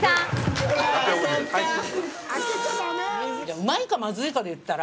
うまいかまずいかで言ったら。